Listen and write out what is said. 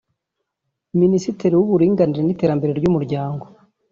Ministiri w’Uburinganire n’Iterambere ry’Umuryango